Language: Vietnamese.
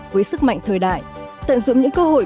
với sức mạnh thời đại tận dụng những cơ hội